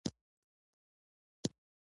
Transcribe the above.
هغې وویل چې ما ته د استراحت اړتیا ده